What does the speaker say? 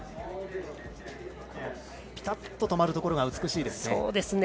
ピタッと止まるところが美しいですね。